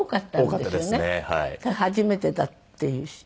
初めてだっていうし。